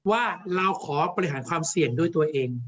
ว่าเราขอบริหารความเสี่ยงด้วยตัวเอง